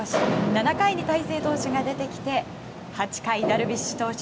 ７回に大勢投手が出てきて８回はダルビッシュ投手